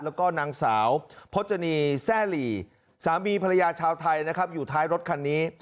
แล้วก็นางสาวพจนีแซ่หลีสามีภรรยาชาวไทยนะครับอยู่ท้ายรถคันนี้